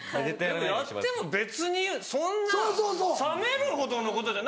やっても別にそんな冷めるほどのことじゃない。